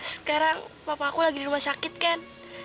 sekarang papa aku lagi di rumah sakit kan